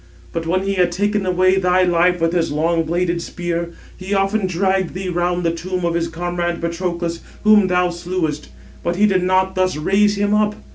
But when he had taken away thy life with his long bladed spear, he often dragged thee round the tomb of his comrade Patroclus, whom thou slewest; but he did not thus raise him up.